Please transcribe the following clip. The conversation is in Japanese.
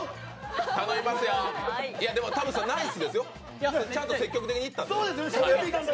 頼みますよ、でも田渕さんナイスですよ、ちゃんと積極的にいったんでね。